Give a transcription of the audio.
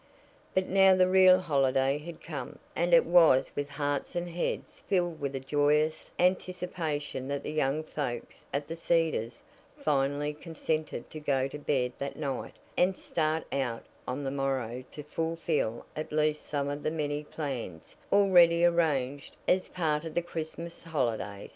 But now the real holiday had come, and it was with hearts and heads filled with a joyous anticipation that the young folks at The Cedars finally consented to go to bed that night and start out on the morrow to fulfil at least some of the many plans already arranged as part of the Christmas holiday.